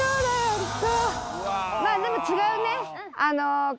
でも違う。